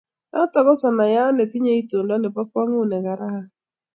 Notok ko sanaiyaat netinye itondo nebo kwang'ut ne kerat.